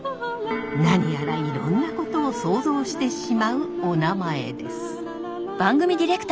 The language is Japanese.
何やらいろんなことを想像してしまうおなまえです。